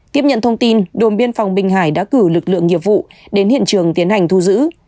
tiếp nhận thông tin đồn biên phòng bình hải đã cử lực lượng nghiệp vụ đến hiện trường tiến hành thu giữ